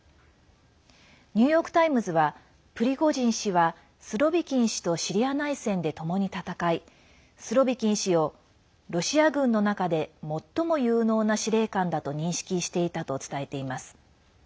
ニューヨーク・タイムズはプリゴジン氏はスロビキン氏とシリア内戦で、ともに戦いスロビキン氏をロシア軍の中で最も有能な司令官だと認識していたと伝えています。